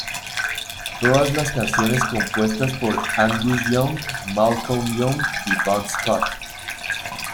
Todas las canciones compuestas por Angus Young, Malcolm Young, y Bon Scott.